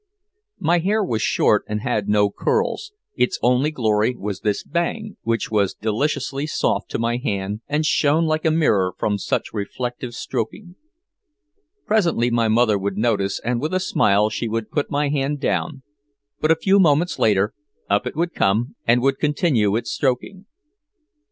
My hair was short and had no curls, its only glory was this bang, which was deliciously soft to my hand and shone like a mirror from much reflective stroking. Presently my mother would notice and with a smile she would put down my hand, but a few moments later up it would come and would continue its stroking.